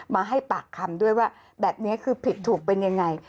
มาให้ปากคำด้วยว่าแบบนี้คือผิดถูกเป็นยังไง